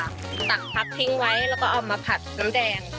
ตักพักทิ้งไว้แล้วก็เอามาผัดน้ำแดง